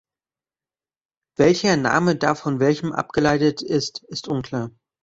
Welcher Name da von welchem abgeleitet ist, ist unklar.